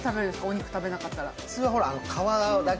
お肉食べなかったら？